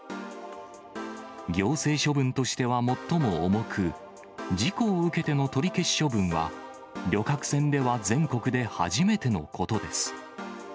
行政処分としては最も重く、事故を受けての取り消し処分は、旅客船では全国で初めてのことです。